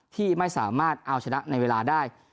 ที่ไม่สามารถเอาชนะในเวลาได้